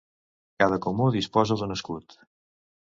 Cada comú disposa d'un escut.